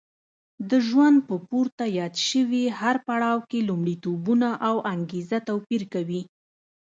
د ژوند په پورته یاد شوي هر پړاو کې لومړیتوبونه او انګېزه توپیر کوي.